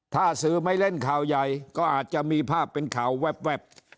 ถ้าสื่อไม่เล่นข่าวใหญ่ก็อาจจะมีภาพเป็นข่าวแวบ